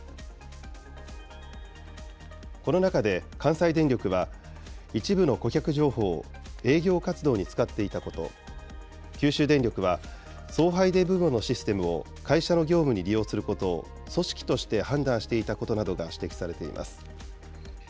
この中で関西電力は、一部の顧客情報を営業活動に使っていたこと、九州電力は送配電部門のシステムを会社の業務に利用することを組織として判断していたことなどが指摘されています。